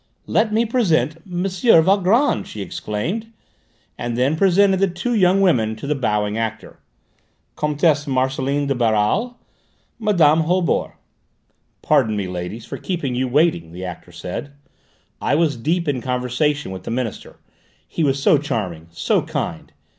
"Let me present M. Valgrand!" she exclaimed, and then presented the two young women to the bowing actor: "Comtesse Marcelline de Baral, Mme. Holbord." "Pardon me, ladies, for keeping you waiting," the actor said. "I was deep in conversation with the Minister. He was so charming, so kind!"